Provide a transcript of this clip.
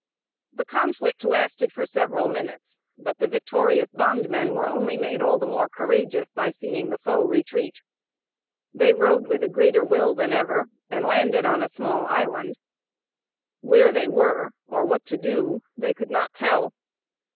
The conflict lasted for several minutes, but the victorious bondmen were only made all the more courageous by seeing the foe retreat. They rowed with a greater will than ever, and landed on a small island. Where they were, or what to do they could not tell.